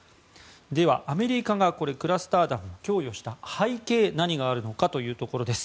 ではアメリカがクラスター弾を供与した背景何があるのかというところです。